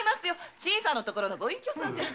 新さんのところのご隠居さんですよ。